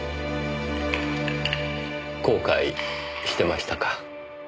後悔してましたか。